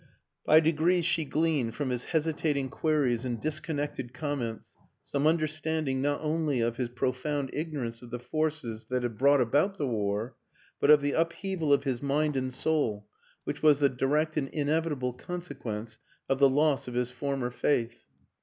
By degrees she gleaned, from his hesitating queries and disconnected comments, some understanding not only of his profound ignorance of the forces that had brought about the war, but of the up heaval of his mind and soul which was the direct and inevitable consequence of the loss of his former faith.